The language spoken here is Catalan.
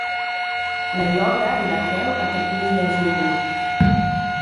La hi obre i la treu perquè pugui llegir-la.